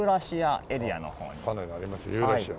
案内がありますユーラシア。